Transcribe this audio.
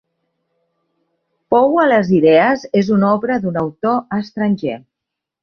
Poua les idees en una obra d'un autor estranger.